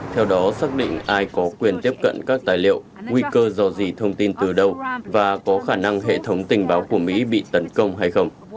theo đó xác định ai có quyền tiếp cận các tài liệu nguy cơ dò dỉ thông tin từ đâu và có khả năng hệ thống tình báo của mỹ bị tấn công hay không